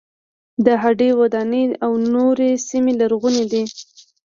د هډې وداني او نورې سیمې لرغونې دي.